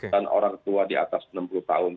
dan orang tua di atas enam puluh tahun